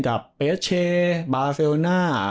กับเปเชบาเซลน่า